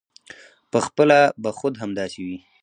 پخپله به خود همداسې وي.